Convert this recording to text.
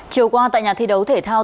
chiều qua tại nhà thi đấu thể thao